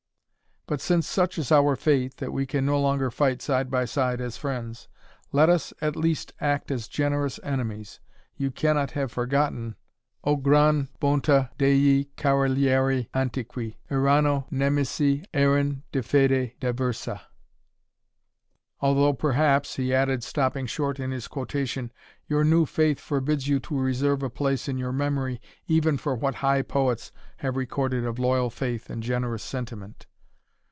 But since such is our fate, that we can no longer fight side by side as friends, let us at least act as generous enemies. You cannot have forgotten, 'O gran bonta dei caralieri antiqui! Erano nemici, eran' de fede diversa' Although, perhaps," he added, stopping short in his quotation, "your new faith forbids you to reserve a place in your memory, even for what high poets have recorded of loyal faith and generous sentiment."